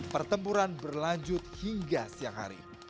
pertempuran berlanjut hingga siang hari